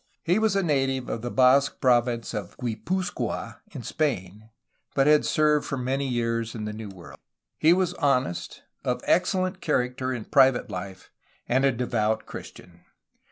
He was a native of the Basque province of Guipuzcoa in Spain, but had served for many years in the New World. He was honest, of ex cellent character in private life, and a devout Christian.